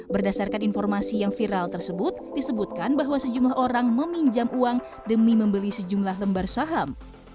berdasarkan informasi yang viral tersebut disebutkan bahwa sejumlah orang meminjam uang demi membeli sejumlah lembar saham